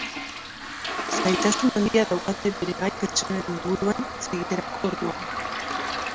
Zailtasun handia dauka bere gai pertsonalen inguruan hitz egiterako orduan.